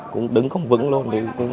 cũng đứng không vững luôn